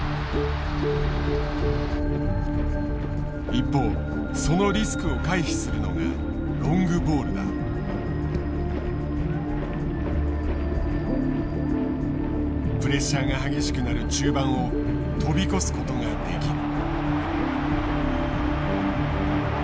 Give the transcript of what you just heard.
一方そのリスクを回避するのがプレッシャーが激しくなる中盤を飛び越すことができる。